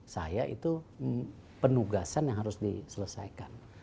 saya itu penugasan yang harus diselesaikan